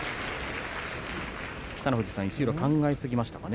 北の富士さん、石浦は考えすぎましたかね。